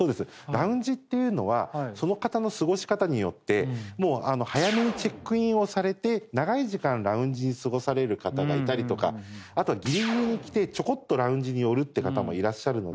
ラウンジってその方の過ごし方によって早めにチェックインをされて長い時間ラウンジで過ごされる方がいたりとかあとはぎりぎりに来てちょこっとラウンジに寄るって方もいらっしゃるので。